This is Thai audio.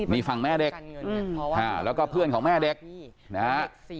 นี่ฝั่งแม่เด็กแล้วก็เพื่อนของแม่เด็กนะฮะ